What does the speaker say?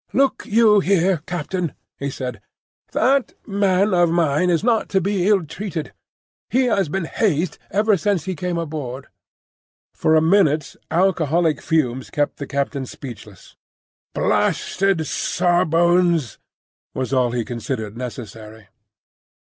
"Look you here, Captain," he said; "that man of mine is not to be ill treated. He has been hazed ever since he came aboard." For a minute, alcoholic fumes kept the captain speechless. "Blasted Sawbones!" was all he considered necessary.